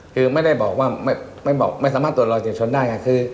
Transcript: คือไม่ได้บอกว่าไม่สามารถตรวจรอยเฉียชนได้ไง